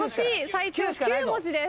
最長９文字です。